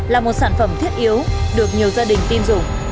là một sản phẩm thiết yếu được nhiều gia đình tin dùng